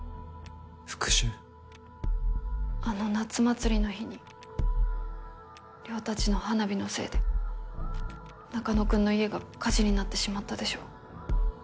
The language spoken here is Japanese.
あの夏祭りの日に稜たちの花火のせいで中野くんの家が火事になってしまったでしょう？